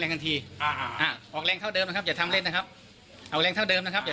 จริงให้ลงให้ลงทำเกรงไว้ด้วย